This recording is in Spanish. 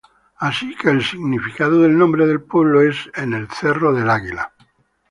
Así que el significado del nombre del pueblo es "En el cerro del Águila".